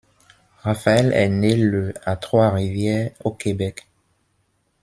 Raphaël est né le à Trois-Rivières, au Québec.